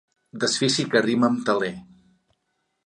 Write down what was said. Desfici que rima amb teler.